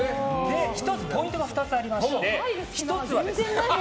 ポイントが２つありまして１つは。